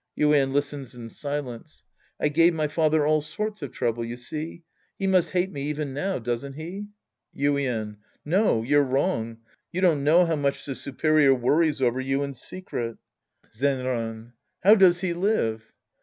(Yuien listens in silence.) I gave my father all sorts of trouble, you see. He must hate me even now, doesn't he ? Yuien. No. You're wrong. You don't know how much the superior worries over you in secret. Sc. I The Priest and His Disciples 105 Zenran. How does he live